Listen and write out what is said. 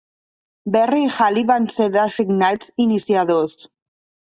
Berry i Hali van ser designats iniciadors.